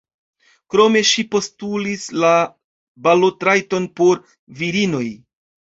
Krome ŝi postulis la balotrajton por virinoj.